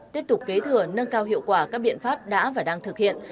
tiếp tục kế thừa nâng cao hiệu quả các biện pháp đã và đang thực hiện